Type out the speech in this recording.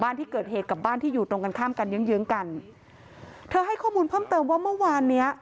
บ้านที่เกิดเหตุกับบ้านที่อยู่ตรงกันข้ามกันเยื้องเยื้องกันเธอให้ข้อมูลเพิ่มเติมว่าเมื่อวานเนี้ย